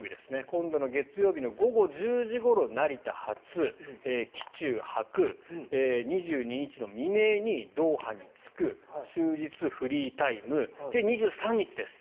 今度の月曜日の午後１０時ごろ成田発機中泊２２日の未明にドーハに着く終日、フリータイムで、２３日です。